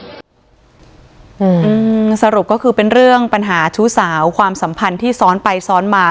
อืมสรุปก็คือเป็นเรื่องปัญหาชู้สาวความสัมพันธ์ที่ซ้อนไปซ้อนมา